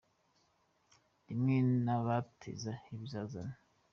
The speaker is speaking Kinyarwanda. Rimwe anabateza ibizazane.